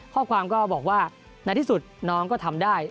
ข้อความก็บอกว่าในที่สุดน้องก็ทำได้